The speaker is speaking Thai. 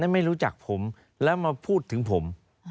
ไม่รู้จักผมแล้วมาพูดถึงผม